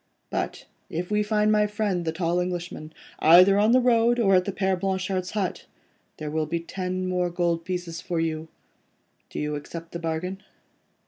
But if we find my friend the tall Englishman, either on the road or at the Père Blanchard's hut, there will be ten more gold pieces for you. Do you accept the bargain?"